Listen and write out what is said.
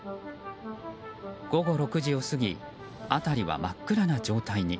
午後６時を過ぎ辺りは真っ暗な状態に。